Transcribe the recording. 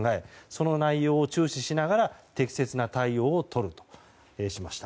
その内容を注視しながら適切な対応をとるとしました。